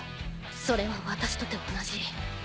それは私とて同じ。